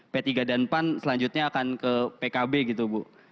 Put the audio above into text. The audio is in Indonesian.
p tiga dan pan selanjutnya akan ke pkb gitu bu